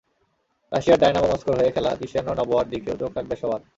রাশিয়ার ডায়নামো মস্কোর হয়ে খেলা ক্রিশ্চিয়ানো নবোয়ার দিকেও চোখ থাকবে সবার।